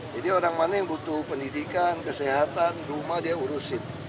jadi orang mana yang butuh pendidikan kesehatan rumah dia urusin